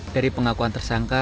dari pengakuan tersangka